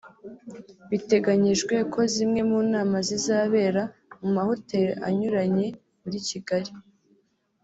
Biteganyijwe ko zimwe mu nama zizabera mu mahoteli anyuranye muri Kigali